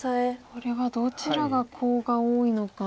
これはどちらがコウが多いのか。